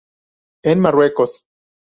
En Marruecos.